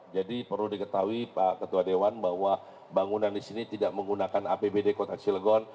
jadi perlu diketahui pak ketua dewan bahwa bangunan di sini tidak menggunakan apbd kota cilegon